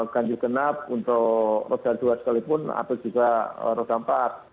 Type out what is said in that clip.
ganjil genap untuk roda dua sekalipun atau juga roda empat